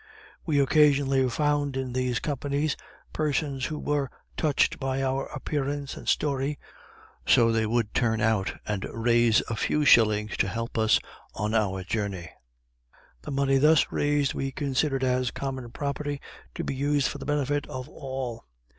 We occasionally found in these companies, persons who were touched by our appearance and story, so they would turn out and raise a few shillings to help us on our journey. The money thus raised we considered as common property, to be used for the benefit of all.